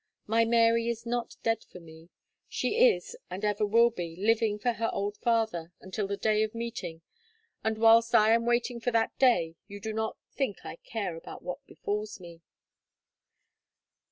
My Mary is not dead for me. She is, and ever will be, living for her old father, until the day of meeting. And whilst I am waiting for that day, you do not think I care about what befalls me."